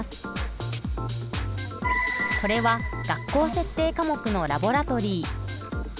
これは学校設定科目の「ラボラトリー」。